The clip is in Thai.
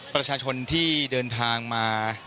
ประชาชนที่เดินทางมา